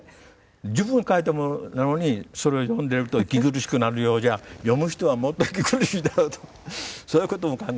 自分が書いたものなのにそれを読んでると息苦しくなるようじゃ読む人はもっと息苦しいだろうとそういうことも考えて。